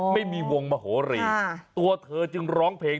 ไม่มีวงมโหรีตัวเธอจึงร้องเพลง